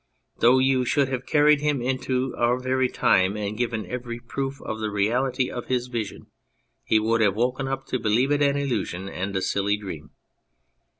Though you should have carried him into our very time and given every proof of the reality 'of his vision, he would have woken up to believe it an illusion and a silly dream.